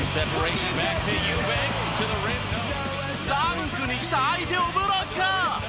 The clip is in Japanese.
ダンクにきた相手をブロック！